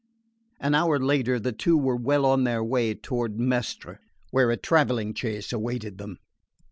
An hour later the two were well on their way toward Mestre, where a travelling chaise awaited them.